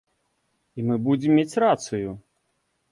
І мы будзем мець рацыю.